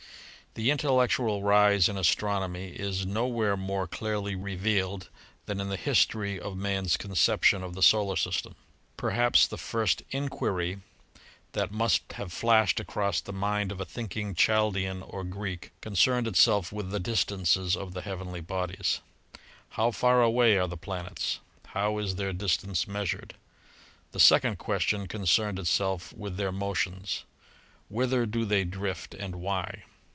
The intellectual rise m Astronomy is nowhere more clearly revealed than in the history of man's conception of the Solar System. Perhaps the first inquiry that must have flashed across the mind of a thinking Chaldean or Greek concerned itself with the distances of the heav enly bodies. How far away are the planets? How is their distance measured? The second question concerned itself with their motions, Whither do they drift and why?